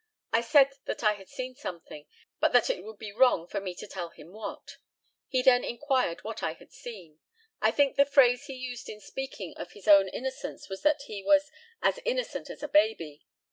I said that I had seen something, but that it would be wrong for me to tell him what. He then inquired what I had seen. I think the phrase he used in speaking of his own innocence was that he was "as innocent as a baby."